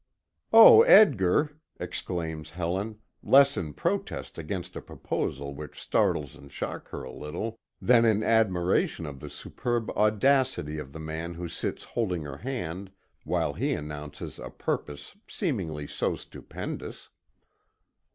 "Oh, Edgar!" exclaims Helen, less in protest against a proposal which startles and shocks her a little, than in admiration of the superb audacity of the man who sits holding her hand while he announces a purpose seemingly so stupendous.